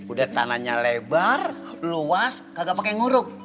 udah tanahnya lebar luas kagak pakai nguruk